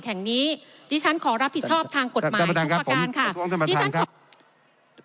ที่ฉันขอรับผิดชอบทางกฎหมายของประการค่ะ